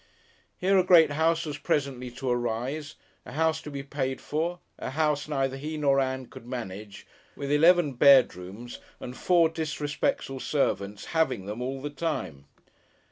Here a great house was presently to arise, a house to be paid for, a house neither he nor Ann could manage with eleven bedrooms, and four disrespectful servants having them all the time!